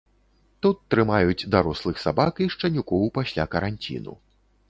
Тут трымаюць дарослых сабак і шчанюкоў пасля каранціну.